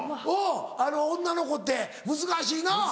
おお女の子って難しいな。